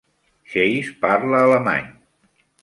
Chase parla alemany.